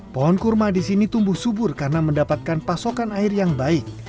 pohon kurma di sini tumbuh subur karena mendapatkan pasokan air yang baik